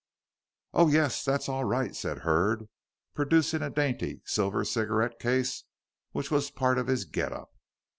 "Oh, yes, that's all right," said Hurd, producing a dainty silver cigarette case, which was part of his "get up."